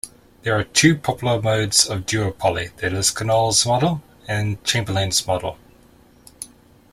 There are two popular modes of duopoly, that is, Cournot's Model and Chamberlain's Model.